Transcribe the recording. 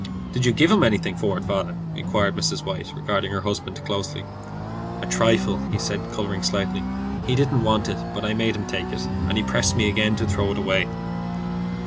"Did you give him anything for it, father?" inquired Mrs. White, regarding her husband closely. "A trifle," said he, colouring slightly. "He didn't want it, but I made him take it. And he pressed me again to throw it away."